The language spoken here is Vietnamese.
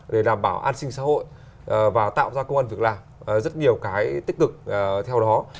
để đảm bảo an sinh xã hội và tạo ra công an việc làm rất nhiều cái tích cực theo đó